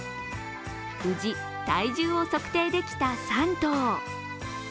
無事、体重を測定できた３頭。